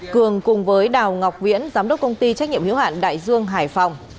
cường cùng với đào ngọc viễn giám đốc công ty trách nhiệm hiếu hạn đại dương hải phòng